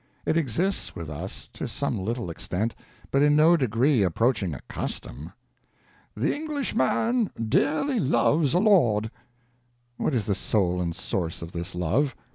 It exists with us, to some little extent, but in no degree approaching a custom. "The Englishman dearly loves a lord." What is the soul and source of this love?